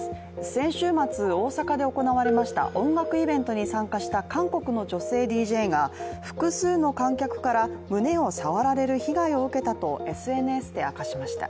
先週末、大阪で行われました音楽イベントに参加した韓国の女性ＤＪが、複数の観客から胸を触られる被害を受けたとＳＮＳで明かしました。